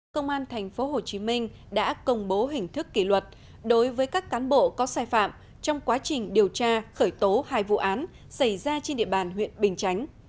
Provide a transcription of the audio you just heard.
công an tp hcm đã công bố hình thức kỷ luật đối với các cán bộ có sai phạm trong quá trình điều tra khởi tố hai vụ án xảy ra trên địa bàn huyện bình chánh